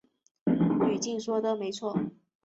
娄敬说的没错。